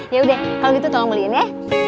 ya udah kalau gitu tolong beliin ya